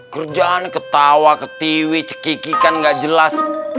kerjaan ketawa ketiwi cekikikan gak jelas